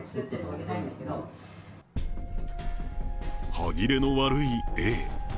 歯切れの悪いＡ。